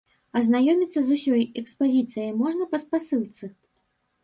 Азнаёміцца з усёй экспазіцыяй можна па спасылцы.